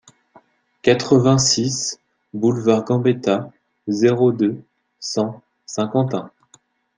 quatre-vingt-six boulevard Gambetta, zéro deux, cent, Saint-Quentin